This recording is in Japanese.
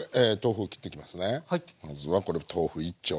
まずはこれ豆腐１丁。